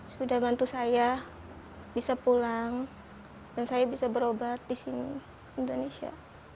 sudah bantu saya bisa pulang dan saya bisa berobat di sini indonesia